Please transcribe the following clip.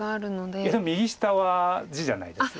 でも右下は地じゃないです。